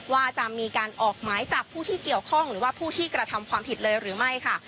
ว่าจะมีการออกหมายจับผู้ที่เกี่ยวข้องหรือว่าผู้ที่กระทำความผิดเลยหรือไม่ค่ะ